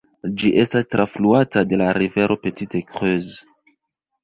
Ĝi estas trafluata de la rivero Petite Creuse.